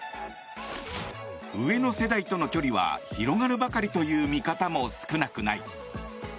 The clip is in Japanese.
上の世代との距離は広がるばかりとの見方も少なくない。